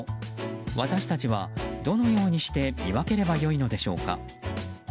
私たちは、どのようにして見分ければよいのでしょうか。